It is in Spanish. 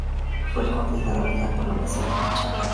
Fue el coordinador de la programación en dicha radio.